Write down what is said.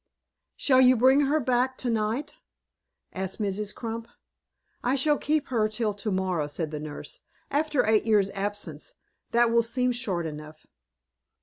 "Shall you bring her back to night?" asked Mrs. Crump. "I may keep her till to morrow," said the nurse. "After eight years' absence, that will seem short enough."